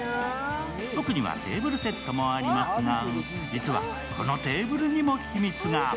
奥にはテーブルセットもありますが、実はこのテーブルにも秘密が。